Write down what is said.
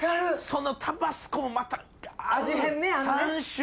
そのタバスコもまた。